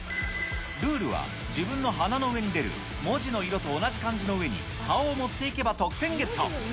ルールは自分の鼻の上に出る文字の色と同じ漢字の上に、顔を持っていけば得点ゲット。